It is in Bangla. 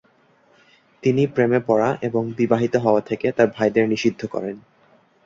তিনি প্রেমে পড়া এবং বিবাহিত হওয়া থেকে তার ভাইদের নিষিদ্ধ করেন।